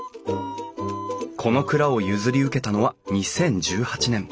この蔵を譲り受けたのは２０１８年。